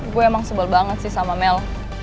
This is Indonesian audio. gue emang sebel banget sih sama mel